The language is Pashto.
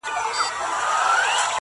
o كله وي خپه اكثر.